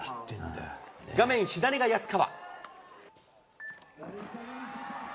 画面左が安川。